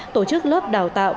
tổ chức lớp đào tạo